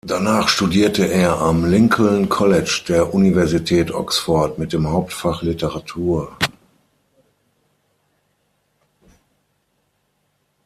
Danach studierte er am Lincoln College der Universität Oxford mit dem Hauptfach Literatur.